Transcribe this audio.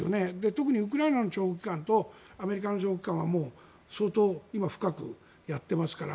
特にウクライナの情報機関とアメリカの情報機関は相当今、深くやってますから。